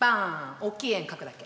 大きい円かくだけ。